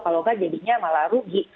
kalau nggak jadinya malah rugi